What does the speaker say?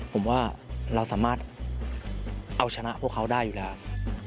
ผมว่าเราสามารถเอาชนะพวกเขาได้อยู่แล้ว